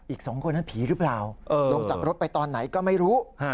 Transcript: อีก๒คนนั้นผีหรือเปล่าลงจากรถไปตอนไหนก็ไม่รู้